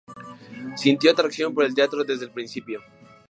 Sintió atracción por el teatro desde el principio.